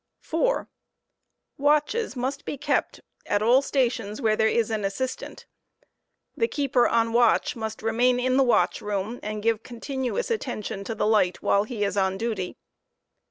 4, Watches must be kept at all stations where there is an assistant. The keeper kfl ^whS there on watch must remain in the watchroom and give continuous attention to the light J« ™ ^sunt. while he is on dutv.